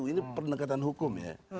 ini pernegatan hukum ya